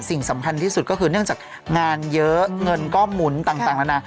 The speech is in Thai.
สิ่งสำคัญที่สุดก็คือเนื่องจากงานเยอะเงินก็หมุนต่างนานา